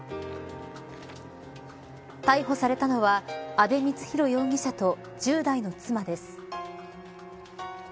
逮捕されたのは阿部光浩容疑者と１０代の妻です。